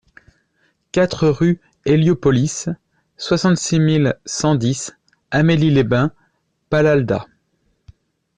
quatre rue Héliopolis, soixante-six mille cent dix Amélie-les-Bains-Palalda